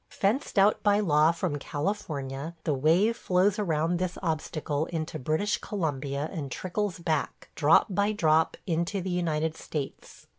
Fenced out by law from California, the wave flows around this obstacle into British Columbia and trickles back, drop by drop, into the United States.